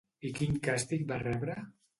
I quin càstig va rebre?